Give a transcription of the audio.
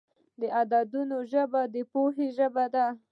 د عددونو ژبه د پوهې ژبه ده.